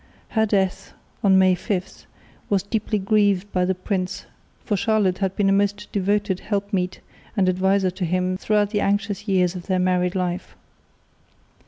Her death, on May 5, was deeply grieved by the prince, for Charlotte had been a most devoted helpmeet and adviser to him throughout the anxious years of their married life.